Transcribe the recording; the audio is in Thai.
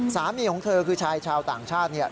สามีของเธอคือชายชาวต่างชาติเนี่ย